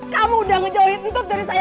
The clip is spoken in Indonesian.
kamu udah ngejauhin untut dari saya